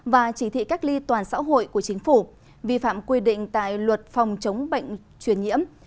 và chỉ thị cách ly toàn xã hội của chính phủ vi phạm quy định tại luật phòng chống bệnh truyền nhiễm